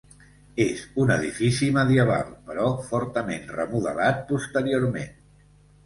És un edifici medieval, però fortament remodelat posteriorment.